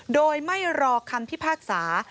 โดยไม่รอคำพิพากษา